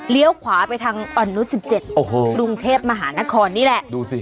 ขวาไปทางอ่อนนุษยสิบเจ็ดโอ้โหกรุงเทพมหานครนี่แหละดูสิ